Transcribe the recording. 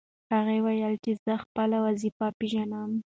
هغه وویل چې زه خپله وظیفه پېژنم.